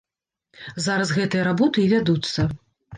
Зараз гэтыя работы і вядуцца.